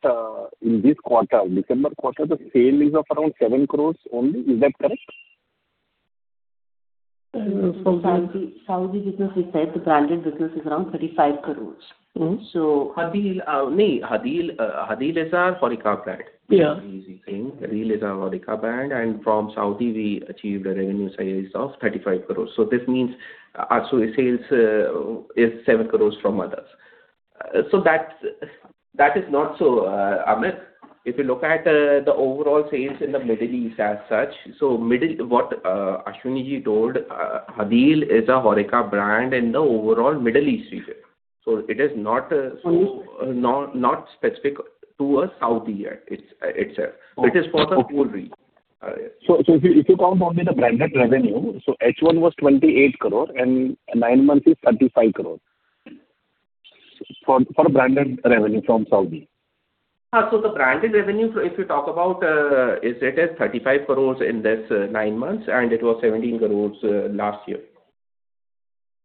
in this quarter, December quarter, the sale is of around 7 crore only. Is that correct?
For the-
Saudi, Saudi business, we said the branded business is around 35 crore. Mm-hmm.
Hadeel is our HoReCa brand.
Yeah.
Hadeel is our HoReCa brand, and from Saudi, we achieved a revenue sales of 35 crores. So this means, the sales is 7 crores from others. That's, that is not so, Amit, if you look at the overall sales in the Middle East as such, so Middle... What Ashwani ji told, Hadeel is a HoReCa brand in the overall Middle East region. So it is not,
Only-
Not specific to a Saudi, it's itself.
Okay.
It is for the whole region.
So, if you count only the branded revenue, H1 was 28 crore and nine months is 35 crore for branded revenue from Saudi.
So the branded revenue, so if you talk about, is it at 35 crores in this nine months, and it was 17 crores last year.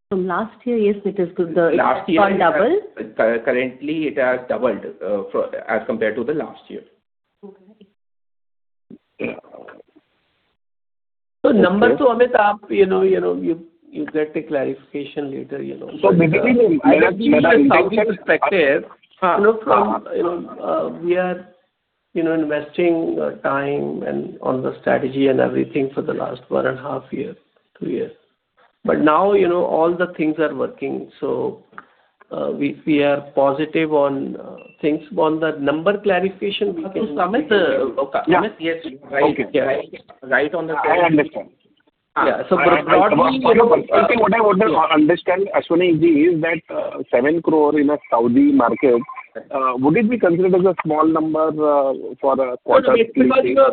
From last year, yes, it is good.
Last year-
has got doubled.
Currently it has doubled, as compared to the last year.
Okay.
Number two, Amit, you know, you get a clarification later, you know?
So maybe we
Perspective.
Uh.
You know, from, you know, we are, you know, investing time and on the strategy and everything for the last 1.5 year, two years. But now, you know, all the things are working, so we are positive on things. On the number clarification, we can-
Amit, Amit, yes.
Okay.
Right, right on the- I understand....
Yeah, so what I want to understand, Ashwani ji, is that 7 crore in a Saudi market would it be considered as a small number for a quarter?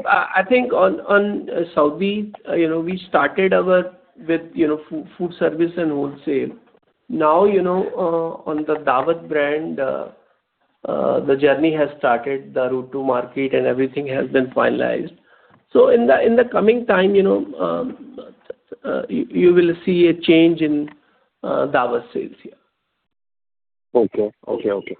I think on Saudi, you know, we started out with, you know, food service and wholesale. Now, you know, on the Daawat brand, the journey has started, the route to market and everything has been finalized. So in the coming time, you know, you will see a change in Daawat sales, yeah.
Okay. Okay, okay.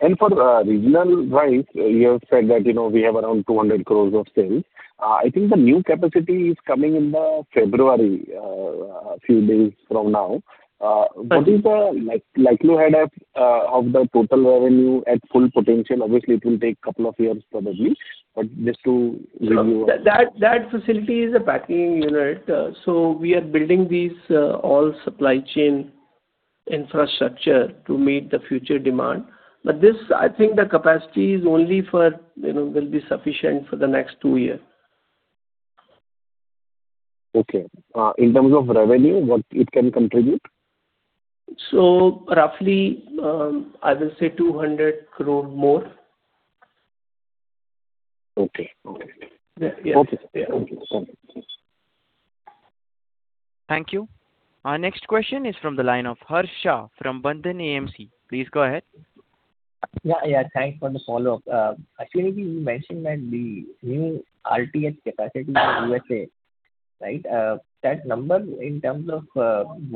And for regional wise, you have said that, you know, we have around 200 crore of sales. I think the new capacity is coming in February, a few days from now. What is the like, likely add of the total revenue at full potential? Obviously, it will take couple of years, probably, but just to review.
That facility is a packing unit, so we are building these all supply chain infrastructure to meet the future demand. But this, I think the capacity is only for, you know, will be sufficient for the next two year.
Okay. In terms of revenue, what it can contribute?
So roughly, I will say 200 crore more.
Okay. Okay.
Yeah.
Okay. Thank you.
Thank you. Our next question is from the line of Harsh Shah from Bandhan AMC. Please go ahead.
Yeah, yeah, thanks for the follow-up. Ashwani, you mentioned that the new RTH capacity in U.S.A, right? That number in terms of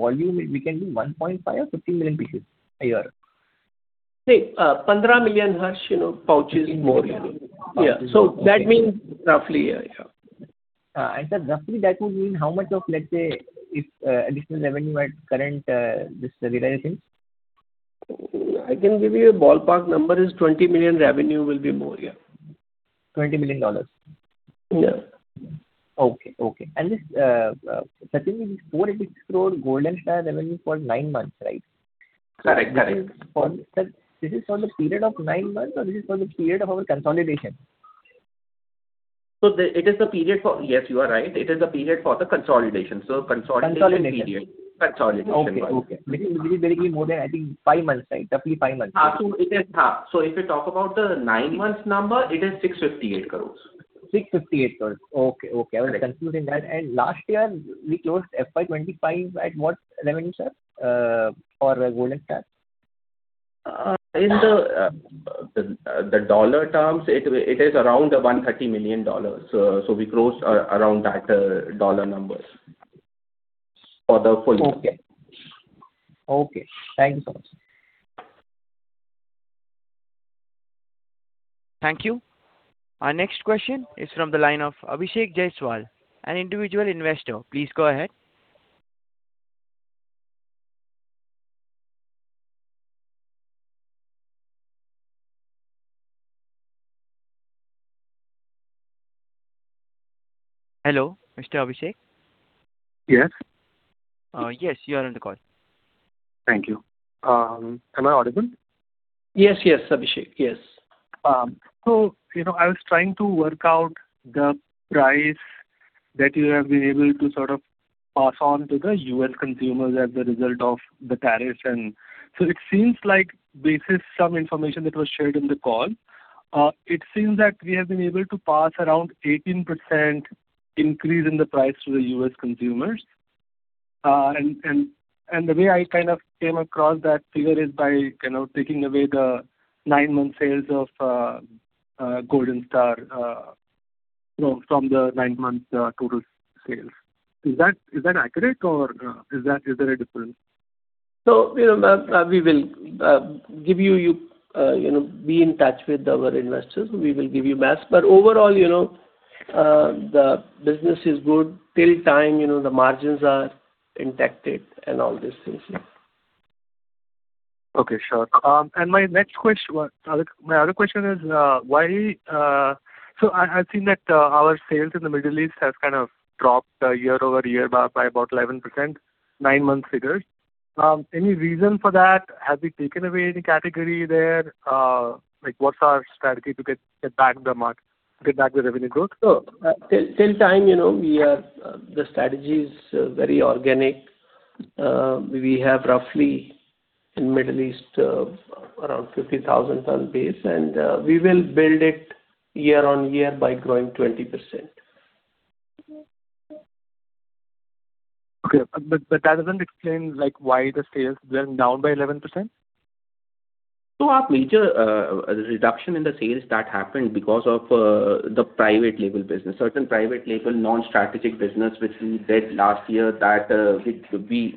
volume, it will be 1.5 or 15 million pieces a year?
Say, 15 million, Harsh, you know, pouches more. Yeah. So that means roughly, yeah.
Sir, roughly, that would mean how much of, let's say, if additional revenue at current, this realization?
I can give you a ballpark number is 20 million revenue will be more, yeah.
$20 million?
Yeah.
Okay, okay. And this, Sachin, INR 460 crore Golden Star revenue for nine months, right?
Correct, correct.
Sir, this is for the period of nine months, or this is for the period of our consolidation?
Yes, you are right. It is the period for the consolidation. So consolidation.
Consolidation.
Consolidation.
Okay, okay. Which is basically more than, I think, five months, right? Roughly five months.
So it is, so if you talk about the nine months number, it is 658 crore.
658 crore. Okay, okay. I was confused in that. Last year, we closed FY 2025 at what revenue, sir, for Golden Star?
In the dollar terms, it is around $130 million. So we closed around that dollar numbers for the full year.
Okay. Okay, thanks a lot.
Thank you. Our next question is from the line of Abhishek Jaiswal, an individual investor. Please go ahead. Hello, Mr. Abhishek?
Yes.
Yes, you are on the call.
Thank you. Am I audible?
Yes, yes, Abhishek. Yes.
So, you know, I was trying to work out the price that you have been able to sort of pass on to the U.S. consumers as a result of the tariffs. And so it seems like, based some information that was shared in the call, it seems that we have been able to pass around 18% increase in the price to the U.S. consumers. And, and, and the way I kind of came across that figure is by, you know, taking away the nine-month sales of, Golden Star, you know, from the nine-month, total sales. Is that, is that accurate, or, is that, is there a difference?
So, you know, we will give you, you know, be in touch with our investors. We will give you math. But overall, you know, the business is good. Till time, you know, the margins are intact and all these things.
Okay, sure. And my other question is, why? So I've seen that our sales in the Middle East has kind of dropped year-over-year by about 11%, nine-month figures. Any reason for that? Have we taken away any category there? Like, what's our strategy to get back the market, get back the revenue growth?
So, till time, you know, we are, the strategy is, very organic. We have roughly in Middle East, around 50,000 ton base, and, we will build it year-on-year by growing 20%.
Okay, but, but that doesn't explain, like, why the sales were down by 11%.
So our major reduction in the sales, that happened because of the private label business. Certain private label non-strategic business which we did last year, that, which we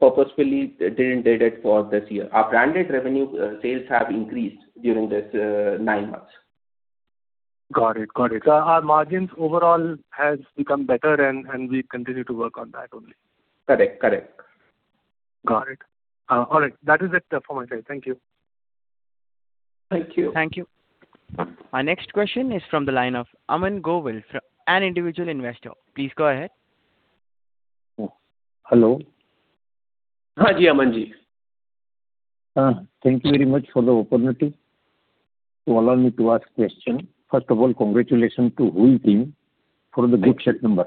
purposefully didn't did it for this year. Our branded revenue sales have increased during this nine months.
Got it. Got it.
Our margins overall has become better, and we continue to work on that only.
Correct. Correct.
Got it. All right. That is it from my side. Thank you.
Thank you.
Thank you. Our next question is from the line of Aman Govil, from an individual investor. Please go ahead.
Hello?
Hi, Aman.
Thank you very much for the opportunity to allow me to ask question. First of all, congratulations to whole team for the good set number.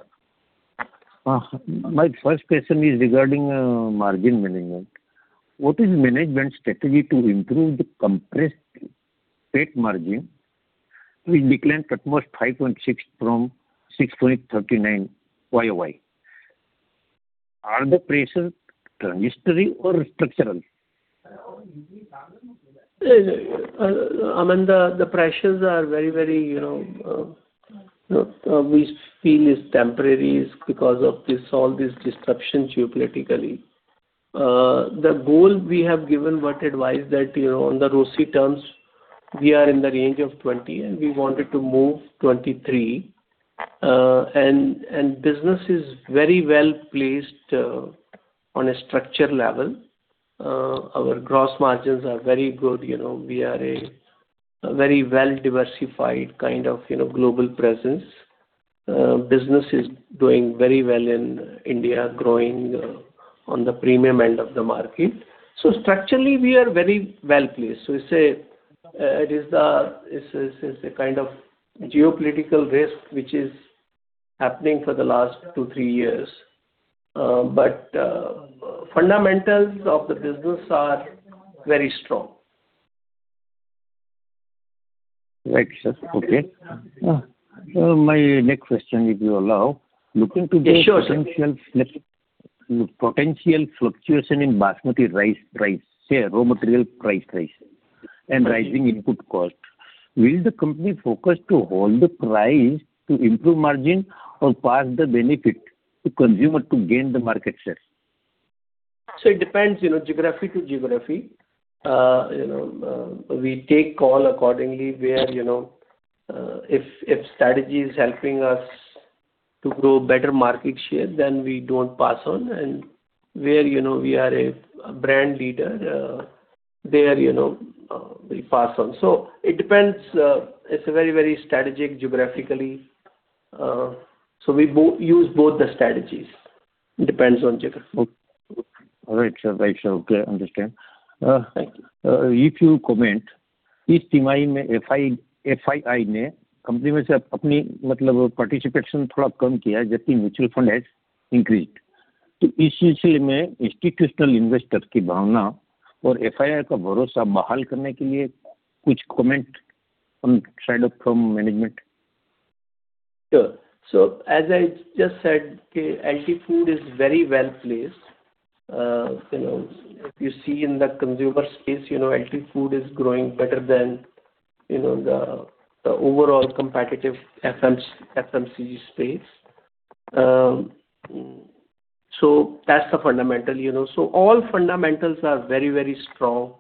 My first question is regarding margin management. What is management strategy to improve the compressed net margin, which declined at most 5.6 from 6.39 YoY? Are the pressures transitory or structural?
Aman, the pressures are very, very, you know, we feel is temporary because of this, all this disruption geopolitically. The goal we have given what advice that, you know, on the ROCE terms, we are in the range of 20, and we wanted to move 23. And business is very well placed, on a structural level. Our gross margins are very good. You know, we are a very well diversified kind of, you know, global presence. Business is doing very well in India, growing, on the premium end of the market. So structurally, we are very well placed. So we say, it is the, it's a, it's a kind of geopolitical risk, which is happening for the last two, three years. But, fundamentals of the business are very strong.
Right, sir. Okay. So my next question, if you allow, looking to the-
Sure, sure.
Potential fluctuation in Basmati rice price, say, raw material price rise and rising input costs, will the company focus to hold the price to improve margin or pass the benefit to consumer to gain the market share?
So it depends, you know, geography to geography. You know, we take call accordingly where, you know, if, if strategy is helping us to grow better market share, then we don't pass on, and where, you know, we are a, a brand leader, there, you know, we pass on. So it depends. It's a very, very strategic geographically. So we use both the strategies. It depends on geography.
All right, sir. Right, sir. Okay, I understand.
Thank you.
If you comment, is FII company participation mutual fund has increased. Institutional investor FII comment from side of management.
Sure. So as I just said, okay, LT Foods is very well placed. You know, if you see in the consumer space, you know, LT Foods is growing better than, you know, the overall competitive FMCG space. So that's the fundamental, you know. So all fundamentals are very, very strong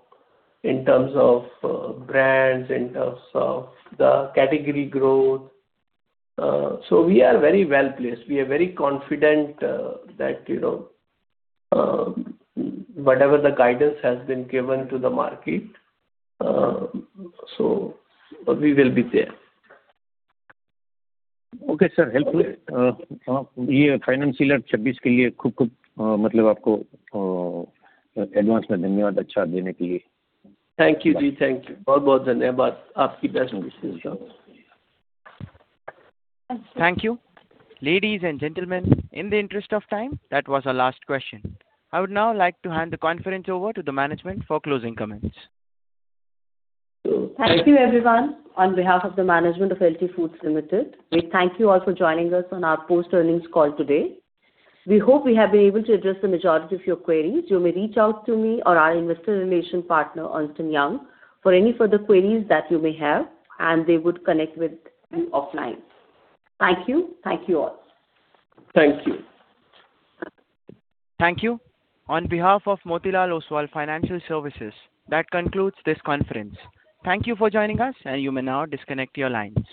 in terms of brands, in terms of the category growth. So we are very well placed. We are very confident that, you know, whatever the guidance has been given to the market, so we will be there.
Okay, sir. Helpful. Yeah, Fair enough.
Thank you, Ji. Thank you.
Thank you. Ladies and gentlemen, in the interest of time, that was our last question. I would now like to hand the conference over to the management for closing comments.
Thank you, everyone. On behalf of the management of LT Foods Limited, we thank you all for joining us on our post-earnings call today. We hope we have been able to address the majority of your queries. You may reach out to me or our investor relation partner, Ernst & Young, for any further queries that you may have, and they would connect with you offline. Thank you. Thank you all.
Thank you.
Thank you. On behalf of Motilal Oswal Financial Services, that concludes this conference. Thank you for joining us, and you may now disconnect your line.